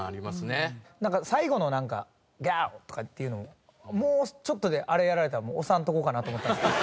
なんか最後の「ガオ」とかっていうのもうちょっとであれやられたらもう押さんとこうかなと思ったんですけど。